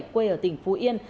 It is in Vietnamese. quê ở tỉnh phú yên